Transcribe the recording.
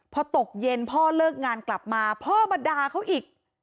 พอตกเย็นพ่อเลิกงานกลับมาพ่อมาด่าเขาอีก